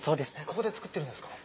ここで作ってるんですか？